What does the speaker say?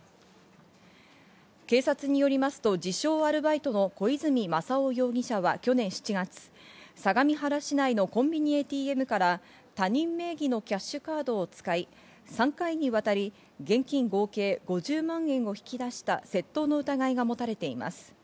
警察によりますと自称アルバイトの小泉雅夫容疑者は去年７月、相模原市内のコンビニＡＴＭから他人名義のキャッシュカードを使い、３回にわたり現金合計５０万円を引き出した窃盗の疑いが持たれています。